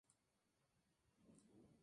La psiquiatra acepta el reto.